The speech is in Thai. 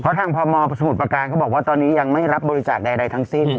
ทางพมสมุทรประการเขาบอกว่าตอนนี้ยังไม่รับบริจาคใดทั้งสิ้น